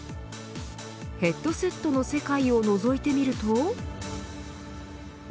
ヘッドセットの世界をのぞいてみると。